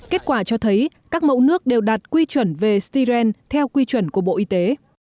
kết quả cho thấy các mẫu nước đều đạt quy chuẩn về styren theo quy chuẩn của bộ y tế